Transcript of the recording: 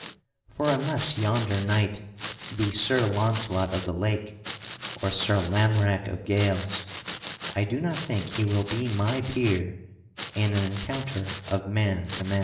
For unless yonder knight be Sir Launcelot of the Lake or Sir Lamorack of Gales, I do not think he will be my peer in an encounter of man to man."